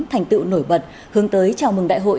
thành tựu nổi bật hướng tới chào mừng đại hội